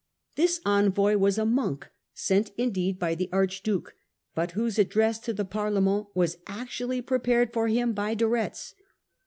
This envoy was a monk, sent indeed by the archduke, but whose address to the Parlement was actually prepared for him by De Retz.